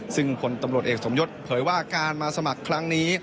ซึ่งผลตำรวจเอกสมยศเผยว่าการมาสมัครครั้งนี้